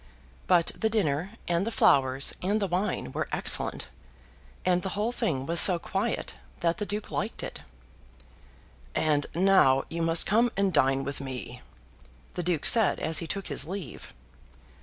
But the dinner and the flowers and the wine were excellent, and the whole thing was so quiet that the Duke liked it. "And now you must come and dine with me," the Duke said as he took his leave.